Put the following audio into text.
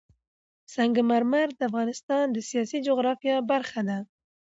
سنگ مرمر د افغانستان د سیاسي جغرافیه برخه ده.